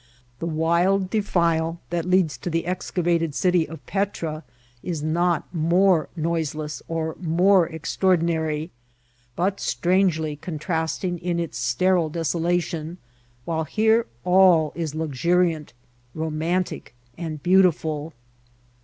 The wild defile that leads to the excavated city of Petra is not more noiseless or more extraordinary, but strangely contrasting in its ster il desolation, while here all is luxuriant, rcHnantic, and beautiful.